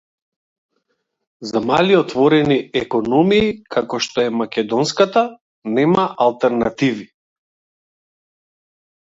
За мали отворени економии како што е македонската, нема алтернативи